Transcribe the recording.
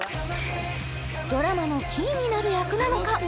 ドラマのキーになる役なのか？